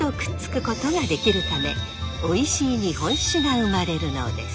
ためおいしい日本酒が生まれるのです。